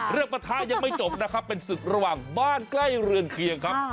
ประทะยังไม่จบนะครับเป็นศึกระหว่างบ้านใกล้เรือนเคียงครับ